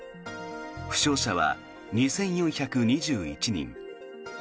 負傷者は２４２１人。